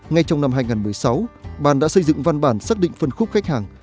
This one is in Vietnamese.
ngay trong năm hai nghìn một mươi sáu bàn đã xây dựng văn bản xác định phân khúc khách hàng